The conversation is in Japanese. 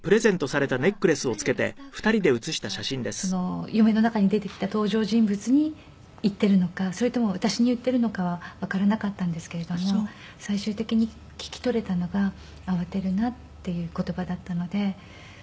でそれは誰かスタッフの方とか夢の中に出てきた登場人物に言っているのかそれとも私に言っているのかはわからなかったんですけれども最終的に聞き取れたのが「慌てるな」っていう言葉だったので。